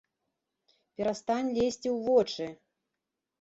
Перастань лезці ў вочы!